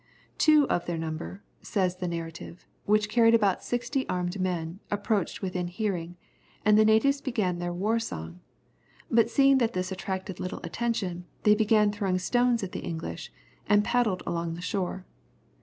"Two of their number," says the narrative, "which carried about sixty armed men, approached within hearing, and the natives began their war song, but seeing that this attracted little attention, they began throwing stones at the English, and paddled along the shore.